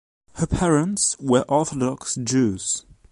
Her parents were Orthodox Jews.